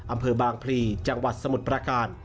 อำเภอบางพลีจังหวัดสมุทรประการ